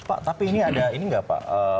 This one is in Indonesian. pak tapi ini ada ini nggak pak